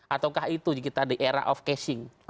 ataukah itu kita di era of casing